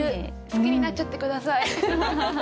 好きになっちゃって下さい。